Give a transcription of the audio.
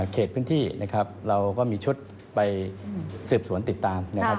เขตพื้นที่นะครับเราก็มีชุดไปสืบสวนติดตามนะครับ